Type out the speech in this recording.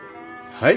はい。